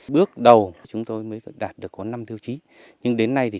bước đầu chúng tôi mới đạt được có năm tiêu chí